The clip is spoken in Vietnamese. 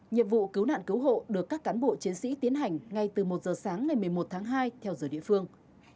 nhiệm vụ cứu nạn cứu hộ được các cán bộ chiến sĩ tiến hành ngay từ một giờ sáng ngày một mươi một tháng hai theo giờ địa phương